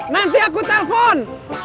nanti aku telpon